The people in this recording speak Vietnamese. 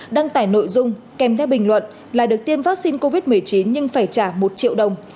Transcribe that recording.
đăng tải nội dung kèm theo bình luận là được tiêm vaccine covid một mươi chín nhưng phải trả một triệu đồng